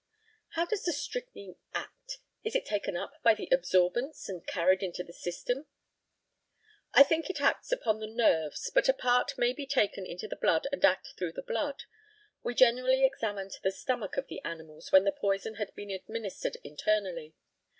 How does the strychnine act? Is it taken up by the absorbents and carried into the system? I think it acts upon the nerves, but a part may be taken into the blood and act through the blood. We generally examined the stomach of the animals when the poison had been administered internally.